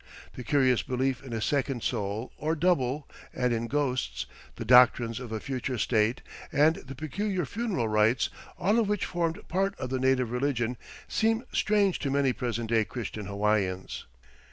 The curious belief in a second soul, or double, and in ghosts, the doctrines of a future state, and the peculiar funeral rites, all of which formed part of the native religion, seem strange to many present day Christian Hawaiians.